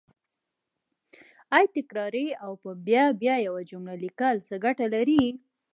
آیا تکراري او په بیا بیا یوه جمله لیکل څه ګټه لري